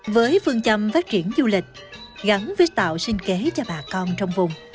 với phương châm phát triển du lịch gắn với tạo sinh kế cho bà con trong vùng